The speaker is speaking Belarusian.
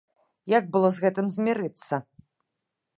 Як было з гэтым змірыцца?